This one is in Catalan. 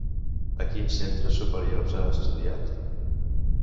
A quins centres superiors ha estudiat?